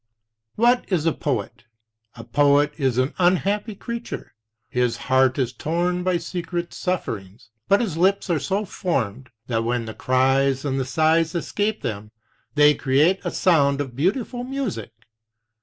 "What is a poet? A poet is an unhappy creature; his heart is torn by secret sufferings, but his lips are so formed that when the cries and the sighs escape them, they create a sound of beautiful music.